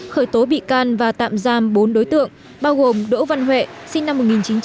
khởi tố bị can và tạm giam bốn đối tượng bao gồm đỗ văn huệ sinh năm một nghìn chín trăm tám mươi